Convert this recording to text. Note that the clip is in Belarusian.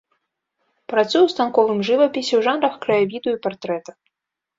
Працуе ў станковым жывапісе ў жанрах краявіду і партрэта.